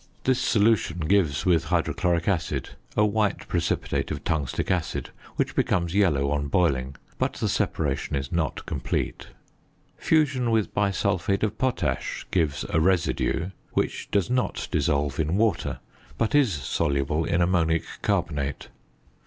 This solution gives with hydrochloric acid a white precipitate of tungstic acid, which becomes yellow on boiling, but the separation is not complete. Fusion with bisulphate of potash gives a residue, which does not dissolve in water, but is soluble in ammonic carbonate.